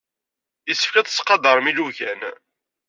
Yessefk ad tettqadarem ilugan.